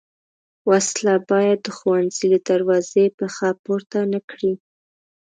وسله باید د ښوونځي له دروازې پښه پورته نه کړي